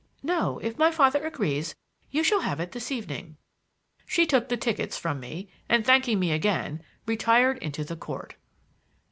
"No; if my father agrees, you shall have it this evening." She took the tickets from me, and, thanking me yet again, retired into the court.